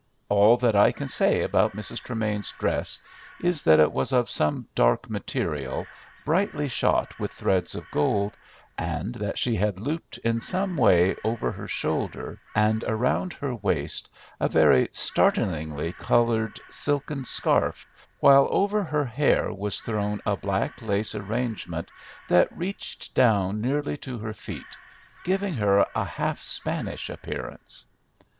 All that I can say about Mrs. Tremain's dress is that it was of some dark material, brightly shot with threads of gold, and that she had looped in some way over her shoulders and around her waist a very startlingly coloured silken scarf, while over her hair was thrown a black lace arrangement that reached down nearly to her feet, giving her a half Spanish appearance.